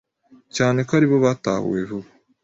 cyane ko ari bo batahuwe vuba.